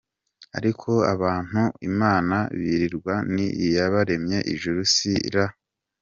Ariko ababantu Imana birirwa ni iyaremye ijuru nisi ra??.